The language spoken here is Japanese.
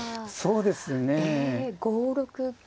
そうですね。